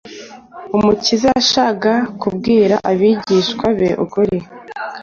Umukiza yashaga kubwira abigishwa be ukuri